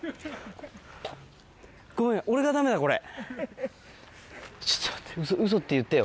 ごめん俺がダメだこれ。